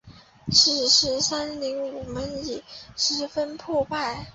此时三陵衙门已十分破败。